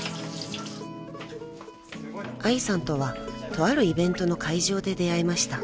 ［愛さんとはとあるイベントの会場で出会いました］